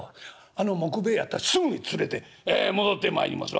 「あの杢兵衛やったらすぐに連れて戻ってまいります。